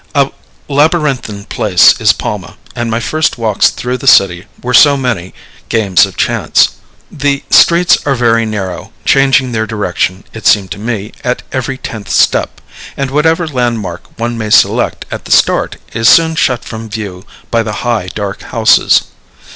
A labyrinthine place is Palma, and my first walks through the city were so many games of chance. The streets are very narrow, changing their direction, it seemed to me, at every tenth step; and whatever landmark one may select at the start is soon shut from view by the high, dark houses.